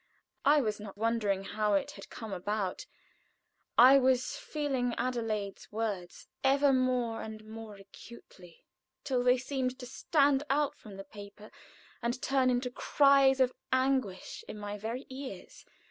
I was not wondering how it had come about; I was feeling Adelaide's words ever more and more acutely, till they seemed to stand out from the paper and turn into cries of anguish in my very ears.